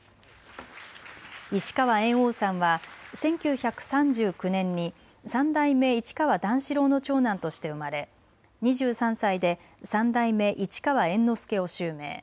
市川猿翁さんは１９３９年に三代目市川段四郎の長男として生まれ２３歳で三代目市川猿之助を襲名。